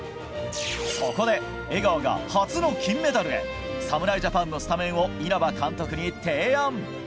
そこで江川が初の金メダルへ侍ジャパンのスタメンを稲葉監督に提案。